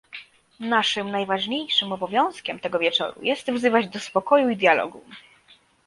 Naszym najważniejszym obowiązkiem tego wieczoru jest wzywać do spokoju i dialogu